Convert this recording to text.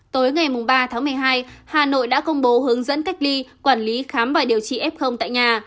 tối ngày ba tháng một mươi hai hà nội đã công bố hướng dẫn cách ly quản lý khám và điều trị f tại nhà